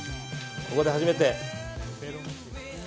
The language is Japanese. ここで初めて。